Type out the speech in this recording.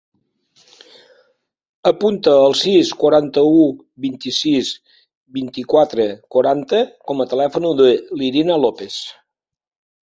Apunta el sis, quaranta-u, vint-i-sis, vint-i-quatre, quaranta com a telèfon de l'Irina Lopez.